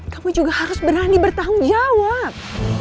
kamu juga harus berani bertanggung jawab